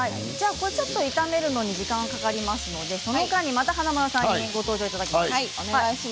炒めるのに時間がかかりますのでまた華丸さんにご登場いただきます。